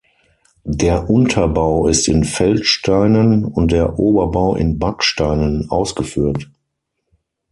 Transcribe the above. Der Unterbau ist in Feldsteinen und der Oberbau in Backsteinen ausgeführt.